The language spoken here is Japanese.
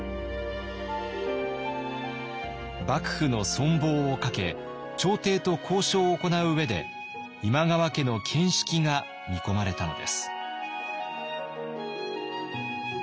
幕府の存亡をかけ朝廷と交渉を行う上で今川家の見識が見込まれたのです。